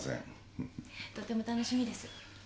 とても楽しみです。